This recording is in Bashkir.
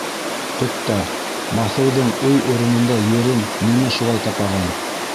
Туҡта, баҫыуҙың өй урынындай ерен нимә шулай тапаған?